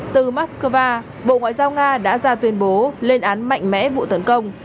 từ moscow bộ ngoại giao nga đã ra tuyên bố lên án mạnh mẽ vụ tấn công